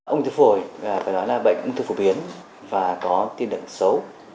ung thư phổi phải nói là bệnh ung thư phổ biến và có tiên lượng xấu